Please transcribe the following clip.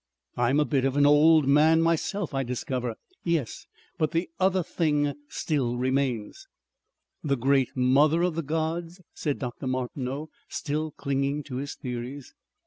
I'm a bit of an Old Man myself I discover. Yes. But the other thing still remains." "The Great Mother of the Gods," said Dr. Martineau still clinging to his theories.